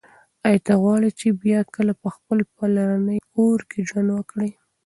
ایا ته غواړې چې بیا کله په خپل پلرني کور کې ژوند وکړې؟